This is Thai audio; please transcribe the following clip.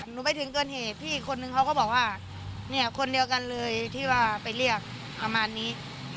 ไปถึงเกินเหตุพี่อีกคนนึงเขาก็บอกว่าเนี่ยคนเดียวกันเลยที่ว่าไปเรียกประมาณนี้